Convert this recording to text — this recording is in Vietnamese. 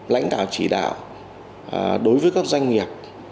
lãnh đạo chỉ đạo đối với các doanh nghiệp